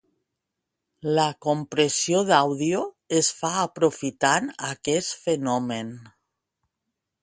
La compressió d'àudio es fa aprofitant aquest fenomen.